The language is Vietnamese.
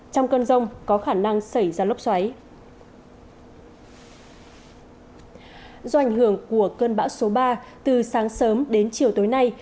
trong cơn rông có khả năng xảy ra lốc xoáy